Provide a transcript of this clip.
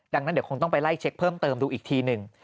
ดังนั้นเดี๋ยวคงต้องไปไล่เช็คเพิ่มเติมดูอีกทีหนึ่ง